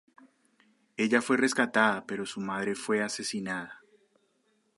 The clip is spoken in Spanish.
Ella fue rescatada pero su madre fue asesinada.